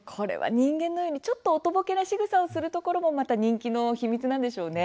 人間のようにちょっとおとぼけなしぐさをするところも人気の秘密なんでしょうね。